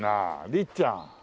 りっちゃん。